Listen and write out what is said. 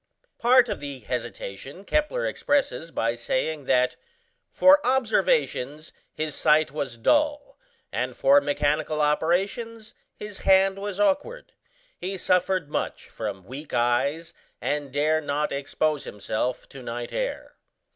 Part of the hesitation Kepler expresses by saying that "for observations his sight was dull, and for mechanical operations his hand was awkward. He suffered much from weak eyes, and dare not expose himself to night air."